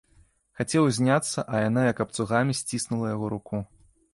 Хацеў узняцца, а яна як абцугамі сціснула яго руку.